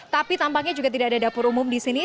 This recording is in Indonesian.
tapi tampaknya juga tidak ada dapur umum di sini